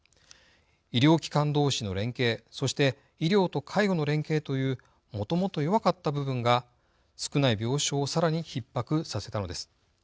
医療機関どうしの連携そして医療と介護の連携というもともと弱かった部分が少ない病床をさらにひっ迫させたのです。